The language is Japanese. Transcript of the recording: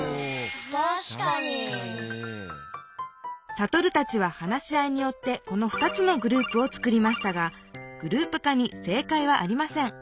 サトルたちは話し合いによってこの２つのグループを作りましたがグループ化に正かいはありません。